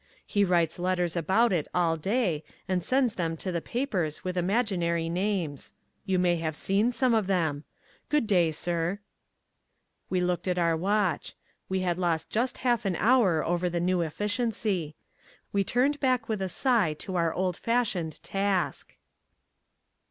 He writes letters about it all day and sends them to the papers with imaginary names. You may have seen some of them. Good day, sir." We looked at our watch. We had lost just half an hour over the new efficiency. We turned back with a sigh to our old fashioned task.